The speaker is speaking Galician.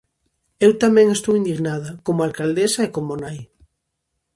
Eu tamén estou indignada, como alcaldesa e como nai.